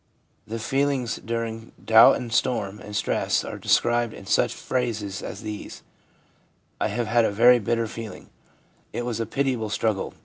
The feelings during doubt and storm and stress are described in such phrases as these :* I had a very bitter feeling/ c It was a pitiable struggle.'